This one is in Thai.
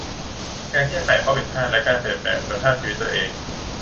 การแก้ไขข้อผิดพลาดและการเปลี่ยนแปลงคุณภาพชีวิตตัวเอง